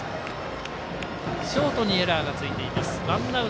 ショートにエラーがついています。